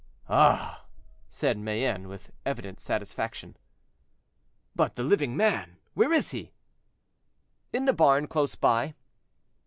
"Ah!" said Mayenne, with evident satisfaction. "But the living man; where is he?" "In the barn, close by."